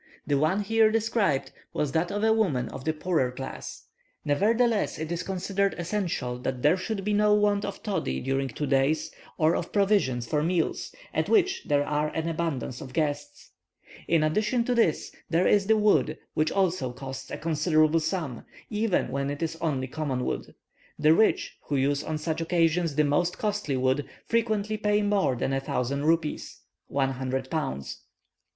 The one here described was that of a woman of the poorer class. Nevertheless, it is considered essential that there should be no want of toddy during two days, or of provisions for meals, at which there are an abundance of guests. In addition to this, there is the wood, which also costs a considerable sum, even when it is only common wood. The rich, who use on such occasions the most costly wood, frequently pay more than a thousand rupees (100 pounds).